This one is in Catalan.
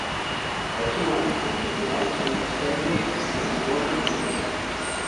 El seu hàbitat natural són les selves nebuloses madures.